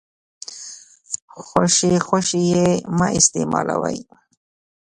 خوشې خوشې يې مه استيمالوئ.